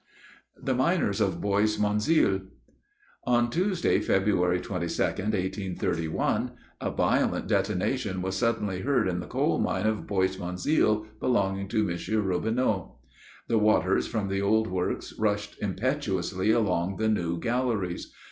THE MINERS OF BOIS MONZIL. On Tuesday, February 22, 1831, a violent detonation was suddenly heard in the coal mine of Bois Monzil, belonging to M. Robinot. The waters from the old works rushed impetuously along the new galleries.